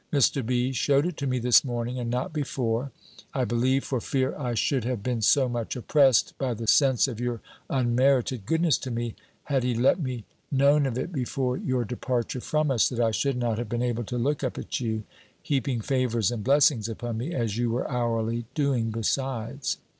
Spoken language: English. Mr. B. shewed it to me this morning, and not before I believe, for fear I should have been so much oppressed by the sense of your unmerited goodness to me, had he let me known of it before your departure from us, that I should not have been able to look up at you; heaping favours and blessings upon me, as you were hourly doing besides.